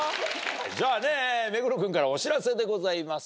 じゃあね目黒君からお知らせでございます。